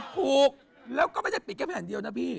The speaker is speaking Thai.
ถูกแล้วก็ไม่ได้ปิดแค่แผ่นเดียวนะพี่